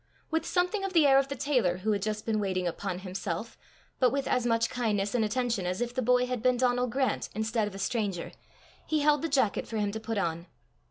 With something of the air of the tailor who had just been waiting upon himself, but with as much kindness and attention as if the boy had been Donal Grant instead of a stranger, he held the jacket for him to put on.